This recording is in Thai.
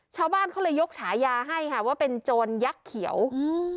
ชาวบ้านเขาเลยยกฉายาให้ค่ะว่าเป็นโจรยักษ์เขียวอืม